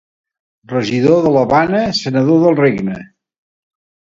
Regidor de l'Havana, Senador del Regne.